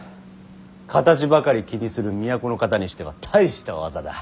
形ばかり気にする都の方にしては大した技だ。